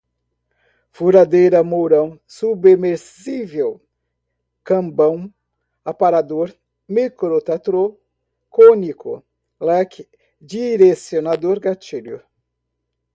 furadeira, mourão, submersível, cambão, aparador, microtrator, cônico, leque, direcionador, gatilho